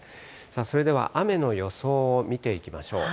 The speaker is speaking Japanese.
それでは雨の予想を見ていきましょう。